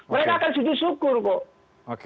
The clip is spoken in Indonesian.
mereka akan sujud syukur kok